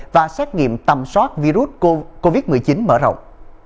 và xét nghiệm tầm soát virus covid một mươi chín mở rộng